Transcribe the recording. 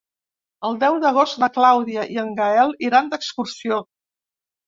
El deu d'agost na Clàudia i en Gaël iran d'excursió.